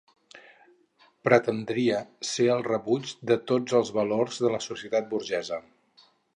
Pretendria ser el rebuig de tots els valors de la societat burgesa.